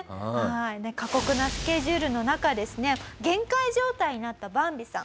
過酷なスケジュールの中ですね限界状態になったバンビさん。